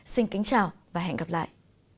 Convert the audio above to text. xin kính chào và hẹn gặp lại